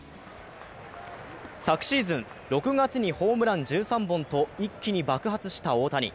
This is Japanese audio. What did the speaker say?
昨シーズン６月にホームラン１３本と一気に爆発した大谷。